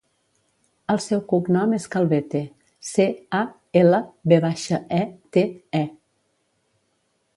El seu cognom és Calvete: ce, a, ela, ve baixa, e, te, e.